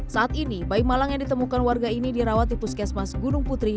saat ini bayi malang yang ditemukan warga ini dirawat di puskesmas gunung putri